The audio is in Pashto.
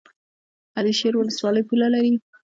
علي شیر ولسوالۍ پوله لري؟